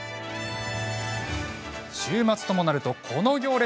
週末ともなると、この行列。